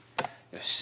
よし。